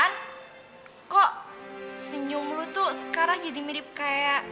han kok senyum lo tuh sekarang jadi mirip kayak